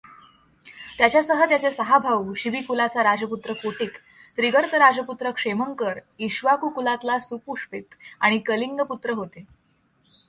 त्याच्यासह त्याचे सहा भाऊ, शिबिकुलाचा राजपुत्र कोटिक, त्रिगर्तराजपुत्र क्षेमंकर, इक्ष्वाकुकुलातला सुपुष्पित आणि कलिंगपुत्र होते.